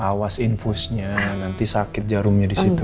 awas infusnya nanti sakit jarumnya di situ